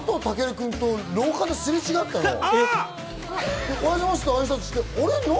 君と廊下ですれ違ったのよ。